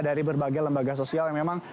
dari berbagai lembaga sosial yang memang